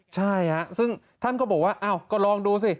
ใช่ซึ่งท่านก็บอกว่าอ้าวก็ลองดูสิ